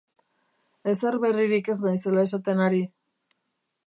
Ezer berririk ez naizela esaten ari.